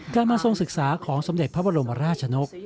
การมาทรงศึกษาของสมเด็จพระบรมราชนก